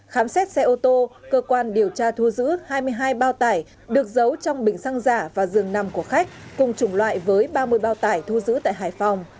khám xét xe ô tô cơ quan điều tra thu giữ hai mươi hai bao tải được giấu trong bình xăng giả và giường nằm của khách cùng chủng loại với ba mươi bao tải thu giữ tại hải phòng